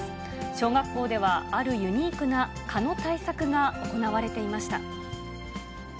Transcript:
小学校では、あるユニークな蚊の対策が行われていました。